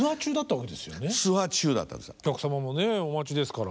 お客さまもねお待ちですから。